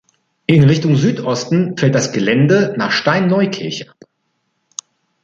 In Richtung Südosten fällt das Gelände nach Stein-Neukirch ab.